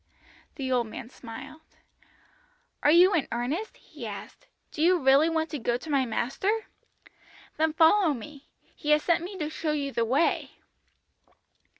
"The old man smiled. "'Are you in earnest?' he asked. 'Do you really want to go to my Master? Then follow me. He has sent me to show you the way.'